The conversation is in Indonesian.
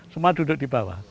semua duduk di bawah